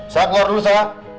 sa keluar dulu sa